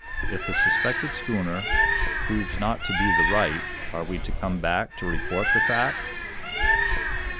If the suspected schooner proves not to be the right are we to come back to report the fact?"